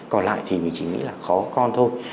còn lại thì mình chỉ nghĩ là khó có con thôi